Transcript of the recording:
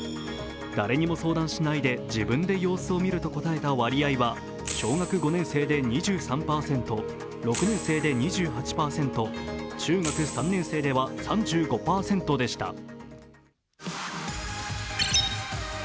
誰にも相談しないで自分で様子をみると答えた割合は、小学５年生で２３％、６年生で２８％中学３年生では３５％でした。